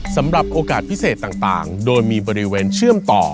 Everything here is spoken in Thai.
สำหรับโอกาสพิเศษต่างโดยมีบริเวณเชื่อมต่อ